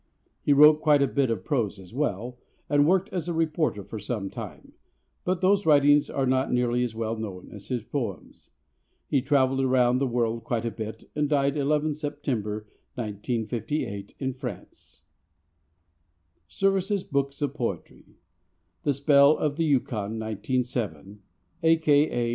He wrote quite a bit of prose as well, and worked as a reporter for some time, but those writings are not nearly as well known as his poems. He travelled around the world quite a bit, and died 11 September 1958 in France. Service's Books of Poetry: The Spell of the Yukon (1907) a.k.a.